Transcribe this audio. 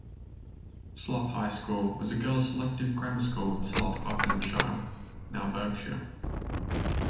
Slough High School was a girls selective grammar school in Slough, Buckinghamshire, now Berkshire.